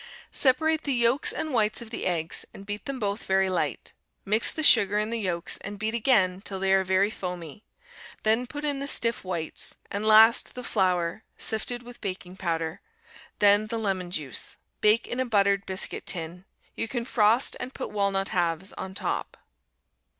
Separate the yolks and whites of the eggs and beat them both very light. Mix the sugar in the yolks and beat again till they are very foamy; then put in the stiff whites, and last the flour, sifted with baking powder; then the lemon juice. Bake in a buttered biscuit tin. You can frost and put walnut halves on top.